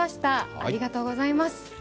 ありがとうございます。